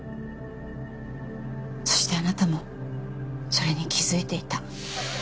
そしてあなたもそれに気づいていた。